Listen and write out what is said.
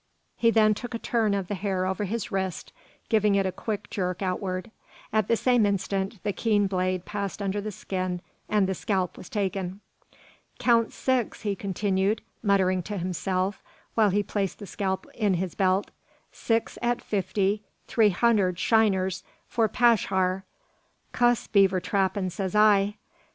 He then took a turn of the hair over his wrist, giving it a quick jerk outward. At the same instant, the keen blade passed under the skin, and the scalp was taken! "Counts six," he continued, muttering to himself while placing the scalp in his belt; "six at fifty three hunder shiners for 'Pash har; cuss beaver trappin'! says I."